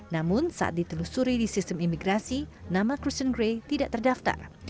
namun saat ditelusuri di sistem imigrasi nama kristen gray tidak terdaftar